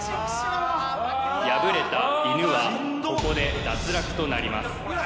敗れたいぬはここで脱落となりますうわ